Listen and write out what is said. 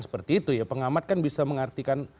seperti itu ya pengamat kan bisa mengartikan